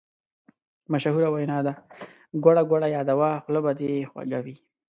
مشهوره وینا ده: ګوړه ګوړه یاده وه خوله به دې خوږه وي.